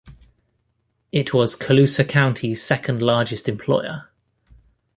It was Colusa County's second largest employer.